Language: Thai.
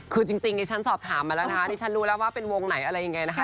คือจริงดิฉันสอบถามมาแล้วนะคะดิฉันรู้แล้วว่าเป็นวงไหนอะไรยังไงนะคะ